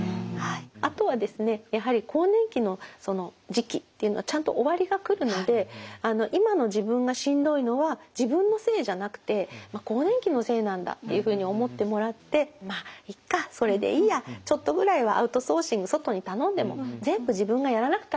あとはですねやはり更年期の時期っていうのはちゃんと終わりが来るので今の自分がしんどいのは自分のせいじゃなくて更年期のせいなんだっていうふうに思ってもらってまあいっかそれでいいやちょっとぐらいはアウトソーシング外に頼んでも全部自分がやらなくたって。